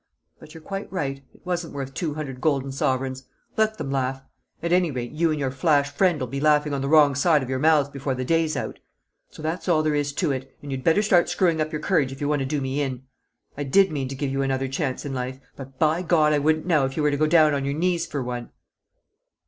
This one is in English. But you're quite right; it wasn't worth two hundred golden sovereigns. Let them laugh! At any rate you and your flash friend'll be laughing on the wrong side of your mouths before the day's out. So that's all there is to it, and you'd better start screwing up your courage if you want to do me in! I did mean to give you another chance in life but by God I wouldn't now if you were to go down on your knees for one!"